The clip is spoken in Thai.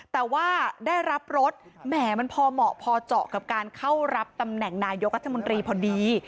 แต่ว่าได้รับรถแหมมันพอเหมาะพอเจาะกับการเข้ารับตำแหน่งนายกรัฐมนตรีพอดี